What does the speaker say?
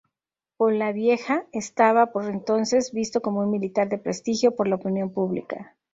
Polavieja estaba por entonces visto como un militar de prestigio por la opinión pública.